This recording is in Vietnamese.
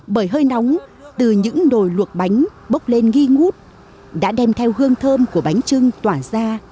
bởi hơi nóng từ những đồi luộc bánh bốc lên nghi ngút đã đem theo hương thơm của bánh trưng tỏa ra